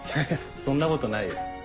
そんなことないよ。